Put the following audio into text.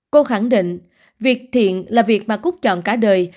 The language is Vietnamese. cô khẳng định việc thiện là việc mà cúc chọn cả đời